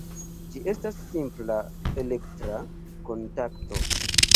Ĝi estas simpla elektra kontakto.